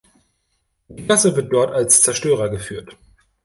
Die Klasse wird dort als Zerstörer geführt.